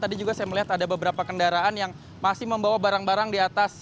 tadi juga saya melihat ada beberapa kendaraan yang masih membawa barang barang di atas